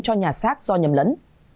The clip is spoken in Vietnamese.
cho nhà xác do nhầm lẫn